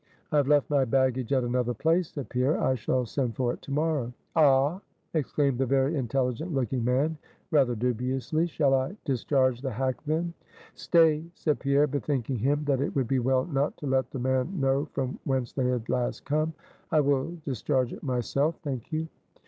"I have left my baggage at another place," said Pierre, "I shall send for it to morrow." "Ah!" exclaimed the very intelligent looking man, rather dubiously, "shall I discharge the hack, then?" "Stay," said Pierre, bethinking him, that it would be well not to let the man know from whence they had last come, "I will discharge it myself, thank you."